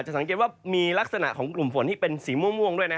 สังเกตว่ามีลักษณะของกลุ่มฝนที่เป็นสีม่วงด้วย